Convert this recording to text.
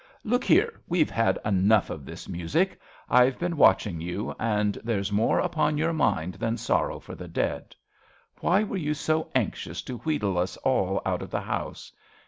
Look here, we've had enough of this music. I've been watching you, and there's more upon your mind than sorrow for the dead. Why were you so anxious to wheedle us all out of the house